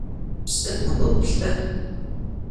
Pş'ık'uplh'ı.